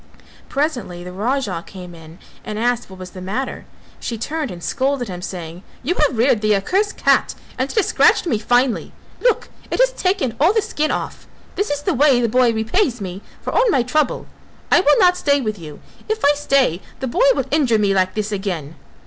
Presently the Raja came in and asked what was the matter; she turned and scolded him saying: "You have reared the accursed cat and it has scratched me finely; look, it has taken all the skin off; this is the way the boy repays me for all my trouble. I will not stay with you; if I stay the boy will injure me like this again."